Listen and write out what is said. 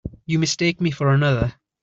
You mistake me for another.